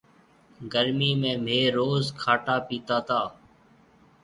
گرميِ ۾ ميه روز کاٽا پيتا تا۔